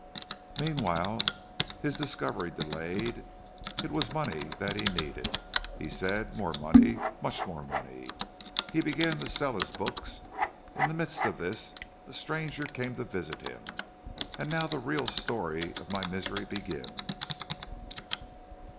"Meanwhile his discovery delayed. It was money that he needed, he said, more money, much more money. He began to sell his books. In the midst of this a stranger came to visit him, and now the real story of my misery begins."